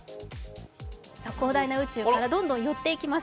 広大な宇宙からどんどん寄っていきます。